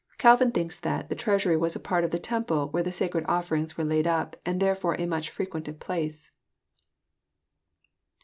Calvin thinks that *< the treasury was a part of the temple where the sacred offerings were laid up, and therefore a much frequented place."